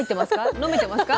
飲めてますか？